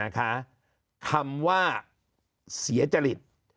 คำว่าเสียจริต